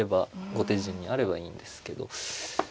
後手陣にあればいいんですけど。